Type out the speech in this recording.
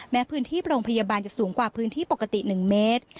พื้นที่โรงพยาบาลจะสูงกว่าพื้นที่ปกติ๑เมตร